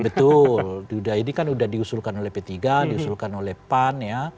betul ini kan sudah diusulkan oleh p tiga diusulkan oleh pan ya